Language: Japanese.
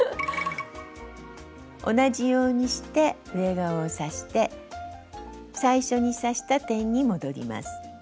同じようにして上側を刺して最初に刺した点に戻ります。